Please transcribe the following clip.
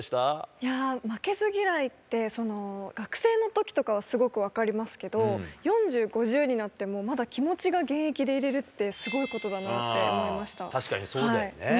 いやー、負けず嫌いって、学生のときとかは、すごく分かりますけど、４０、５０になってもまだ気持ちが現役でいれるってすごいことだなって確かにそうだよね。